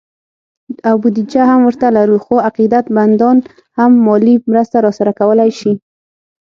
او بودیجه هم ورته لرو، خو عقیدت مندان هم مالي مرسته راسره کولی شي